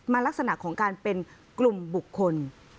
ลักษณะของการเป็นกลุ่มบุคคล